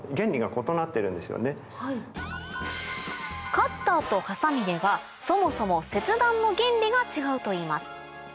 カッターとハサミではそもそも切断の原理が違うといいます